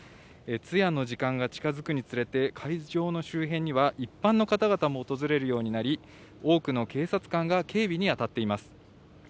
通夜の時間が近づくにつれて、会場の周辺には一般の方々も訪れるようになり、多くの警察官が警備に当たっています。